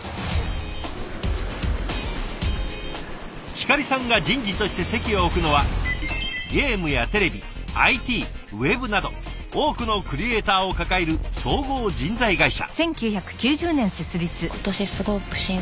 ひかりさんが人事として籍を置くのはゲームやテレビＩＴウェブなど多くのクリエーターを抱える総合人材会社。